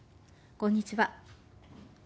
こんにちは。